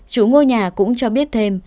chú ngôi nhà cũng cho biết thêm